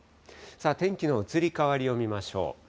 天気の移り変わりを見ましょう。